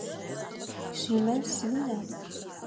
Шъуимэз ина?